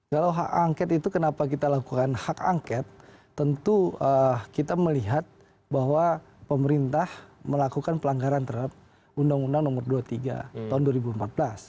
kalau hak angket itu kenapa kita lakukan hak angket tentu kita melihat bahwa pemerintah melakukan pelanggaran terhadap undang undang nomor dua puluh tiga tahun dua ribu empat belas